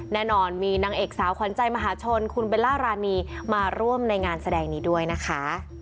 แน่นอนมีนางเอกสาวขวัญใจมหาชนคุณเบลล่ารานีมาร่วมในงานแสดงนี้ด้วยนะคะ